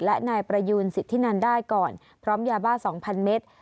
และนายประยูนสิทธินันได้ก่อนพร้อมยาบ้า๒๐๐เมตร